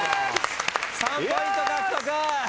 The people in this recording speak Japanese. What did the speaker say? ３ポイント獲得。